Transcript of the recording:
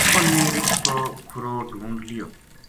اُنھ نے رچھ کو کھُرو ڈھُونڈ لیو